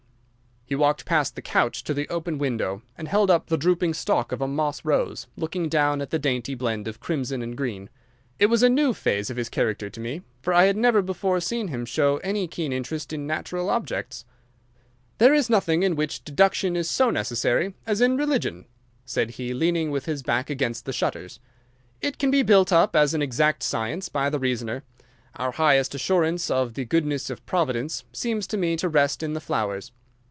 He walked past the couch to the open window, and held up the drooping stalk of a moss rose, looking down at the dainty blend of crimson and green. It was a new phase of his character to me, for I had never before seen him show any keen interest in natural objects. "There is nothing in which deduction is so necessary as in religion," said he, leaning with his back against the shutters. "It can be built up as an exact science by the reasoner. Our highest assurance of the goodness of Providence seems to me to rest in the flowers.